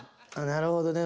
なるほどね。